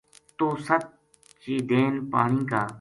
توہ ست چیدین پانی کا